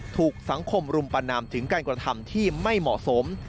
ถูกสังคมรุมประนามถึงการกระทำที่ไม่เหมาะสม